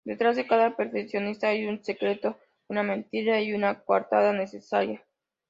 Detrás de cada perfeccionista hay un secreto, una mentira y una coartada necesaria.